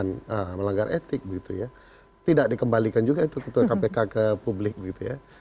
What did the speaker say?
yang melanggar etik begitu ya tidak dikembalikan juga itu ketua kpk ke publik begitu ya